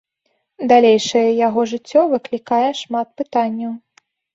Далейшае яго жыццё выклікае шмат пытанняў.